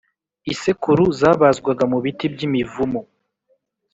isekuru zabazwaga mu biti by’imivumu